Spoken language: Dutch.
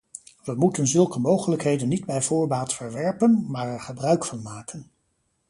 We moeten zulke mogelijkheden niet bij voorbaat verwerpen, maar er gebruik van maken.